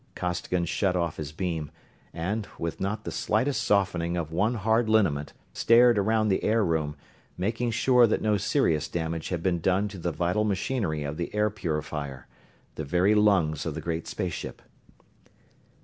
Costigan shut off his beam, and, with not the slightest softening of one hard lineament, stared around the air room; making sure that no serious damage had been done to the vital machinery of the air purifier the very lungs of the great space ship.